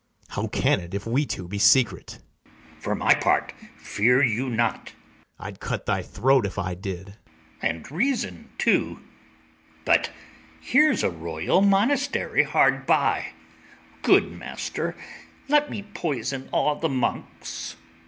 BARABAS. How can it, if we two be secret? ITHAMORE. For my part, fear you not. BARABAS. I'd cut thy throat, if I did. ITHAMORE. And reason too. But here's a royal monastery hard by; Good master, let me poison all the monks. BARABAS.